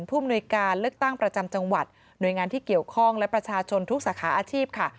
มนุยการเลือกตั้งประจำจังหวัดหน่วยงานที่เกี่ยวข้องและประชาชนทุกสาขาอาชีพค่ะ